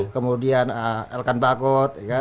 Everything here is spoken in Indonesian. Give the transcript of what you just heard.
kemudian elkan bagot